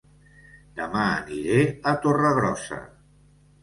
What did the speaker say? Dema aniré a Torregrossa